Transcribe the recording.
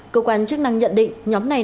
cơ quan chức năng nhận định nhóm này